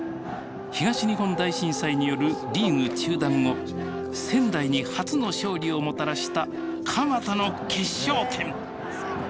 東日本大震災によるリーグ中断後仙台に初の勝利をもたらした鎌田の決勝点。